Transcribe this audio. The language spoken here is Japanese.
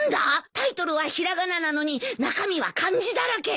タイトルは平仮名なのに中身は漢字だらけ。